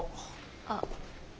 あっ。